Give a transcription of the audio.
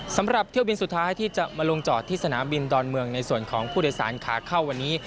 สำหรับเที่ยวบินสุดท้ายที่จะมาลงจอดที่สนามบินดอนเมืองในส่วนของผู้โดยสารขาเข้าวันนี้